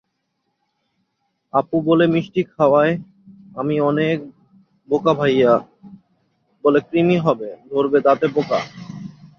আপু বলে মিষ্টি খাওয়ায় আমি অনেক বোকাভাইয়া বলে কৃমি হবে, ধরবে দাঁতে পোকা।